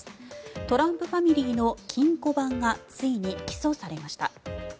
トランプファミリーの金庫番がついに起訴されました。